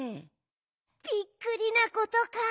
びっくりなことか。